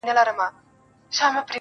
اې د هند بُتپرستو سترگورې,